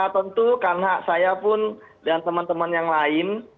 tentu karena saya pun dan teman teman yang lain